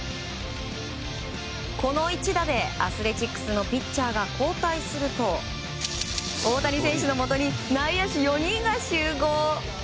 この一打でアスレチックスのピッチャーが交代すると、大谷選手のもとに内野手４人が集合。